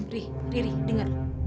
riri riri dengar